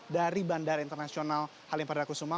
dari bandara internasional halim perdana kusuma